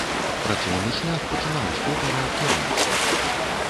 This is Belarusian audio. Працоўны шлях пачынаў з токара, кіроўцы.